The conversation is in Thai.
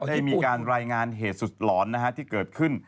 ได้มีการรายงานเหตุสุดหลอนที่เกิดขึ้น